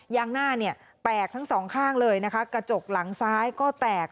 ยางหน้าเนี่ยแตกทั้งสองข้างเลยนะคะกระจกหลังซ้ายก็แตก